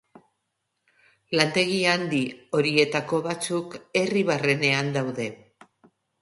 Lantegi handi horietako batzuk herri barrenean daude.